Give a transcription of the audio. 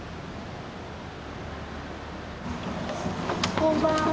こんばんは。